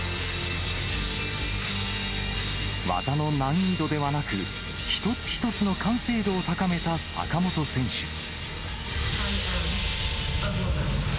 技の難易度ではなく、一つ一つの完成度を高めた坂本選手。